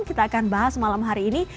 kita akan bahas malam hari ini